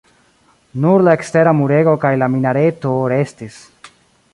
Nur la ekstera murego kaj la minareto restis.